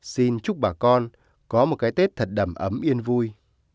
xin chúc bà con có một cái tết thật đầm ấm yên vui